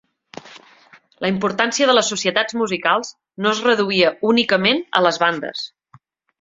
La importància de les societats musicals no es reduïa únicament a les bandes.